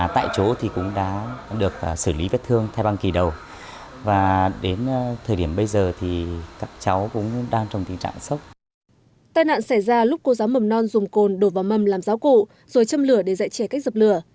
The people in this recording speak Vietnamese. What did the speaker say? tài nạn xảy ra lúc cô giáo mầm non dùng côn đột vào mầm làm giáo cụ rồi châm lửa để dạy trẻ cách dập lửa